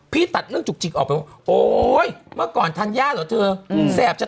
พี่ตัดเรื่องจุกจิกออกไปโอ้ยเมื่อก่อนทันย่าหรอเธออืมแสบจะ